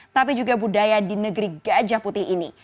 tapi juga budaya di negeri gajah putih ini